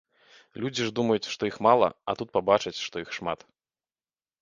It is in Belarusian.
Людзі ж думаюць, што іх мала, а тут пабачаць, што іх шмат.